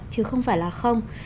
chứ không phải là không